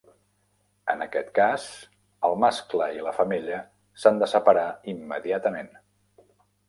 En aquest cas, el mascle i la femella s'han de separar immediatament.